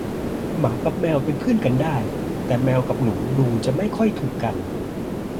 หมากับแมวเป็นเพื่อนกันได้ แต่แมวกับหนูดูจะไม่ค่อยถูกกัน